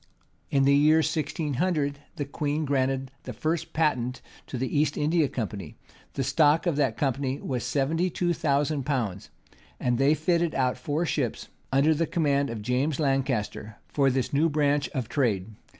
In the year 1600, the queen granted the first patent to the East India Company: the stock of that company was seventy two thousand pounds; and they fitted out four ships, under the command of James Lancaster, for this new branch of trade.